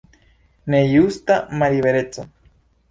Nejusta mallibereco.